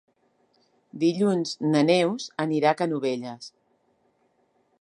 Dilluns na Neus anirà a Canovelles.